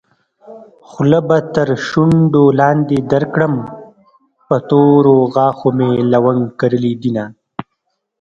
خوله به تر شونډو لاندې درکړم په تورو غاښو مې لونګ کرلي دينه